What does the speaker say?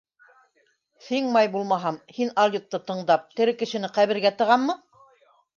Ҫиңмай булмаһам, һин алйотто тыңдап, тере кешене ҡәбергә тығаммы?